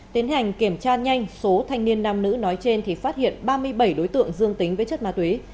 tiến hành kiểm tra nhanh số thanh niên nam nữ nói trên thì phát hiện ba mươi bảy đối tượng dương tính với chất ma túy